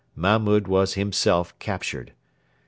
Mahmud was himself captured.